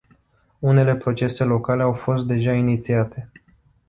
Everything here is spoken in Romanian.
Unele procese locale au fost deja inițiate.